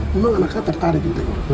memang anak saya tertarik itu